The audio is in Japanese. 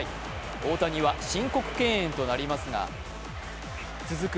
大谷は申告敬遠となりますが続く